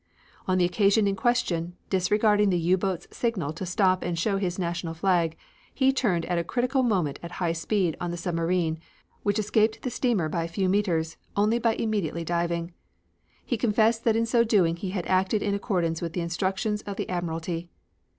On the occasion in question, disregarding the U boat's signal to stop and show his national flag, he turned at a critical moment at high speed on the submarine, which escaped the steamer by a few meters only by immediately diving. He confessed that in so doing he had acted in accordance with the instructions of the Admiralty.